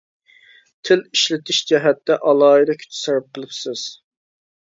تىل ئىشلىتىش جەھەتتە ئالاھىدە كۈچ سەرپ قىلىپسىز.